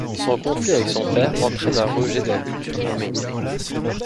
Son conflit avec son père entraîne un rejet de la culture arménienne.